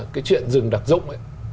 cái chuyện rừng đặc dụng